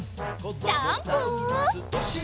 ジャンプ！